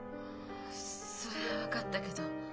そりゃ分かったけど。